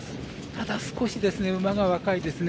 ただ、少し馬が若いですね。